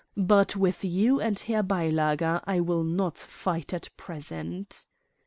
But with you and Herr Beilager I will not fight at present."